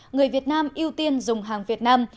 người việt nam ưu tiên dùng hàng việt nam